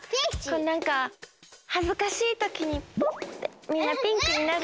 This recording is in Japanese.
こうなんかはずかしいときにポッてみんなピンクになる。